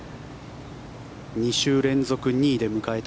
２週連続２位で迎えた